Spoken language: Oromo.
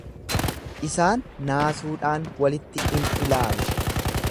Isaan naasuudhaan walitti in ilaalu.